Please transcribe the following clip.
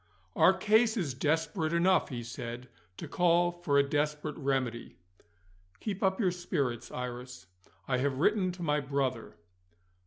"Our case is desperate enough," he said, "to call for a desperate remedy. Keep up your spirits, Iris I have written to my brother."